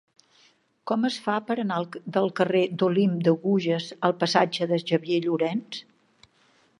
Com es fa per anar del carrer d'Olympe de Gouges al passatge de Xavier Llorens?